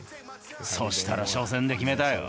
そしたら、初戦で決めたよ。